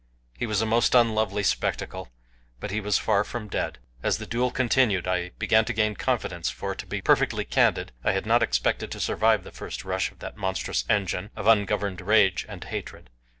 He was a most unlovely spectacle, but he was far from dead. As the duel continued I began to gain confidence, for, to be perfectly candid, I had not expected to survive the first rush of that monstrous engine of ungoverned rage and hatred.